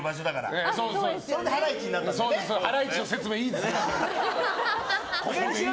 ハライチの説明いいですから！